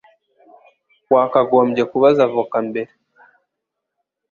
Wakagombye kubaza avoka mbere.